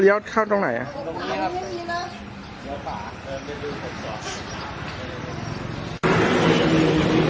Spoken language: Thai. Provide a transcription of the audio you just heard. เพื่อสตายความภรรยาในเกียรติศาสตร์